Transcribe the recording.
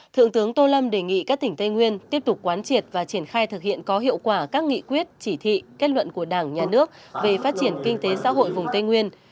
thượng tướng tô lâm đề nghị các tỉnh tây nguyên tiếp tục quán triệt và triển khai thực hiện có hiệu quả các nghị quyết chỉ thị kết luận của đảng nhà nước về phát triển kinh tế xã hội vùng tây nguyên